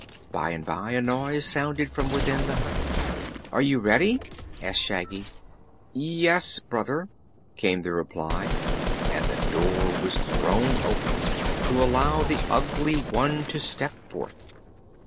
By and by a noise sounded from within the hut. "Are you ready?" asked Shaggy. "Yes, Brother," came the reply and the door was thrown open to allow the Ugly One to step forth.